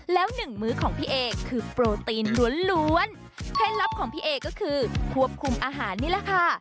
แล้วหนึ่งมื้อของพี่เอคือโปรตีนล้วนเคล็ดลับของพี่เอก็คือควบคุมอาหารนี่แหละค่ะ